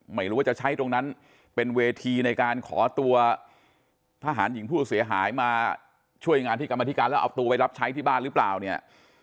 ไม่รู้ว่าจะใช้ตรงนั้นเป็นเวทีในการขอตัวทหารหญิงผู้เสียหายมาช่วยงานที่กรรมธิการแล้วเอาตัวไปรับใช้ที่บ้านหรือเปล่าเนี่ย